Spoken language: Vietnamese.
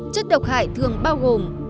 chất độc hại thường bao gồm